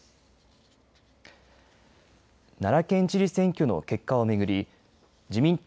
奈良県知事選挙の結果を巡り自民党